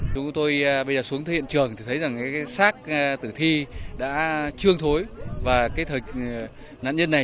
chúng tôi bây giờ xuống hiện trường thì thấy rằng cái xác tử thi đã trương thối và cái thật nạn nhân này